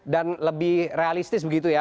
dan lebih realistis begitu ya